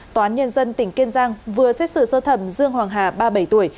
tòa án nhân dân tỉnh kiên giang vừa xét xử sơ thẩm dương hoàng hà ba mươi bảy tuổi